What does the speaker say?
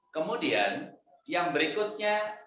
kemudian yang berikutnya